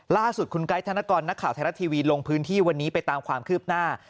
ล่าสุดคุณไกด์ธนกรนักข่าวไทยรัฐทีวีลงพื้นที่วันนี้ไปตามความคืบหน้า